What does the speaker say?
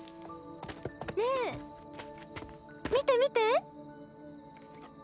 ねえ見て見て。